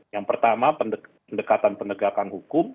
yang pertama pendekatan penegakan hukum